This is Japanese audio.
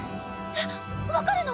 えっ分かるの？